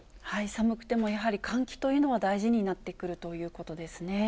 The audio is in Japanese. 寒くてもやはり、換気というのは大事になってくるということですね。